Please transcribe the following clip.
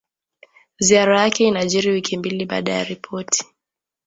Ziara yake inajiri wiki mbili baada ya ripoti